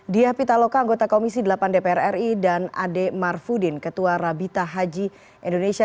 diah pitaloka anggota komisi delapan dpr ri dan ade marfudin ketua rabita haji indonesia